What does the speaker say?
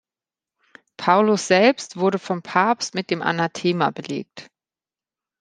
Paulus selbst wurde vom Papst mit dem Anathema belegt.